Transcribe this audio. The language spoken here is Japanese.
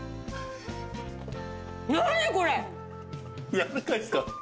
やわらかいですか？